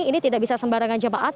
ini tidak bisa sembarangan jemaat